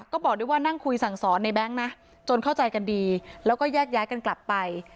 ก็บอกด้วยว่านั่งคุยสั่งสอนในแบงค์นะจนเข้าใจกันดีแล้วก็แยกย้ายกันกลับไป